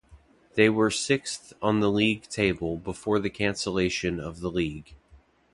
They were sixth on the league table before the cancellation of the league.